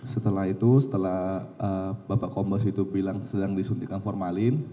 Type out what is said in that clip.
setelah itu setelah bapak kombes itu bilang sedang disuntikan formalin